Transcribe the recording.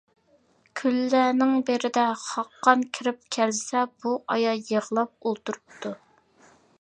كۈنلەرنىڭ بىرىدە خاقان كىرىپ كەلسە، بۇ ئايال يىغلاپ ئولتۇرۇپتۇ.